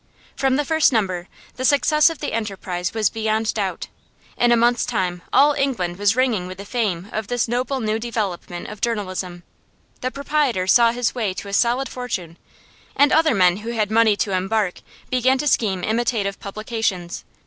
From the first number, the success of the enterprise was beyond doubt; in a month's time all England was ringing with the fame of this noble new development of journalism; the proprietor saw his way to a solid fortune, and other men who had money to embark began to scheme imitative publications.